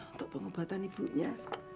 untuk pengobatan ibunya